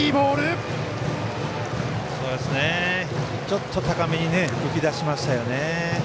ちょっと、高めに浮き出しましたよね。